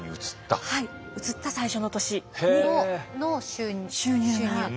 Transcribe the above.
はい移った最初の年の収入が。